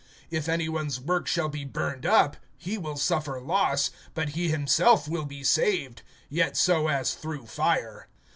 (15)If any one's work shall be burned up, he will suffer loss; but he himself will be saved; yet so as through fire.